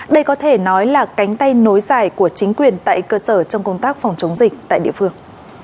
đây có thể nói là cánh tay nối dài của chính quyền tại cơ sở trong công tác phòng chống dịch tại địa phương